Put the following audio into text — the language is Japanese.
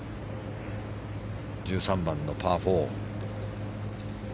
１３番のパー４。